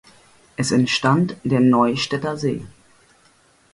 Es entstand der Neustädter See.